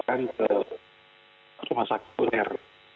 lalu saya langsung memeriksa ke rumah sakit kuliner